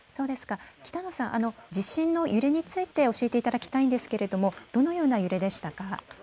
北野さん、地震の揺れについて教えていただきたいんですけれどもどのような揺れでしたか。